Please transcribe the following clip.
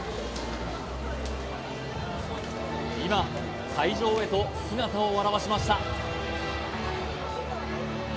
今会場へと姿を現しました